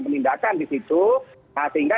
penindakan disitu nah sehingga